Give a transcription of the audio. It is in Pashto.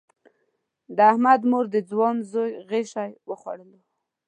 د احمد مور د ځوان زوی غشی وخوړلو.